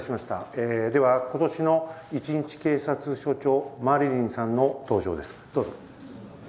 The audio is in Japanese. えぇでは今年の１日警察署長マリリンさんの登場ですどうぞ。